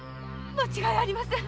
間違いありません。